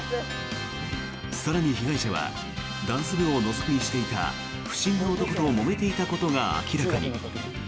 更に、被害者はダンス部をのぞき見していた不審な男ともめていたことが明らかに。